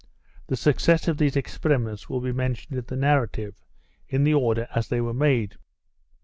The success of the experiments will be mentioned in the narrative, in the order as they were made.